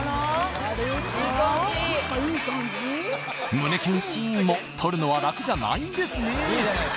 胸キュンシーンも撮るのは楽じゃないんですね